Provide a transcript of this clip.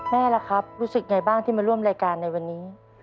แม่ล่ะครับรู้สึกไงบ้างที่มาร่วมรายการในวันนี้